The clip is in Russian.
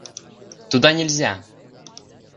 — Туда нельзя!